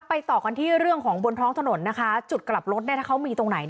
ต่อกันที่เรื่องของบนท้องถนนนะคะจุดกลับรถถ้าเขามีตรงไหน